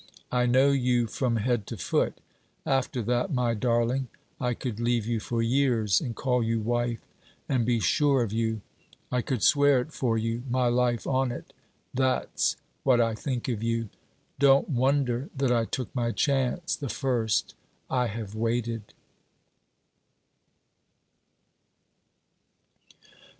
I know you from head to foot. After that, my darling, I could leave you for years, and call you wife, and be sure of you. I could swear it for you my life on it! That 's what I think of you. Don't wonder that I took my chance the first: I have waited!'